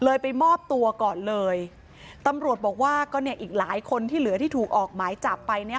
ไปมอบตัวก่อนเลยตำรวจบอกว่าก็เนี่ยอีกหลายคนที่เหลือที่ถูกออกหมายจับไปเนี่ย